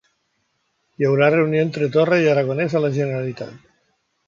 Hi haurà reunió entre Torra i Aragonès a la Generalitat